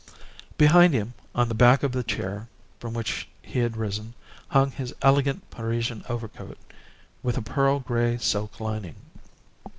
Behind him, on the back of the chair from which he had risen, hung his elegant Parisian overcoat, with a pearl grey silk lining.